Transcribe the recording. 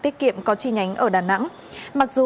tiết kiệm có chi nhánh ở đà nẵng mặc dù